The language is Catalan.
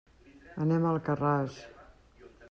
Anem a Alcarràs.